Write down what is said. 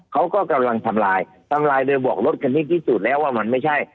เขาก็กำลังทำลายทำลายโดยบอกรถคันนี้พิสูจน์แล้วว่ามันไม่ใช่